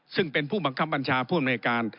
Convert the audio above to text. ซึ่งเป็นผู้บังคับบัญชาผู้อำนวยการ